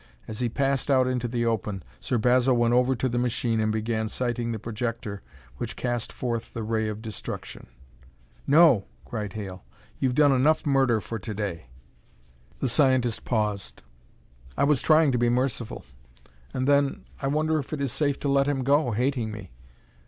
As he passed out into the open, Sir Basil went over to the machine and began sighting the projector which cast forth the ray of destruction. "No!" cried Hale. "You've done enough murder for to day." The scientist paused. "I was trying to be merciful. And then, I wonder if it is safe to let him go, hating me?